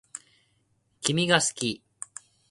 君が好き